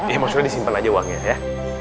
ya maksudnya disimpan aja uangnya ya